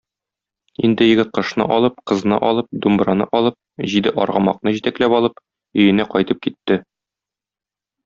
Инде егет кошны алып, кызны алып, думбраны алып, җиде аргамакны җитәкләп алып, өенә кайтып китте.